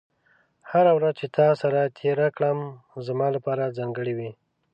هره ورځ چې تا سره تېره کړم، زما لپاره ځانګړې وي.